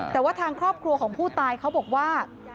แต่ว่าทางครอบครัวของผู้ตายเขาบอกว่า